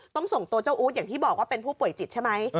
ส่งตัวเจ้าอู๊ดอย่างที่บอกว่าเป็นผู้ป่วยจิตใช่ไหม